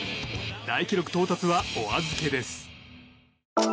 大記録到達は、おあずけです。